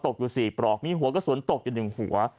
ตกอยู่๔ปหลอกมีหัวกระสุนตกยืนหัว